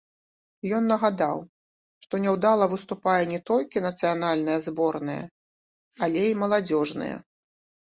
Ён нагадаў, што няўдала выступае не толькі нацыянальная зборная, але і маладзёжныя.